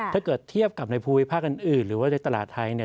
ถ้าเกิดเทียบกับในภูมิภาคอื่นหรือว่าในตลาดไทยเนี่ย